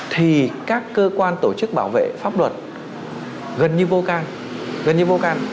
thì các cơ quan tổ chức bảo vệ pháp luật gần như vô can